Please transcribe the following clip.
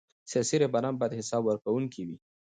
سیاسي رهبران باید حساب ورکوونکي وي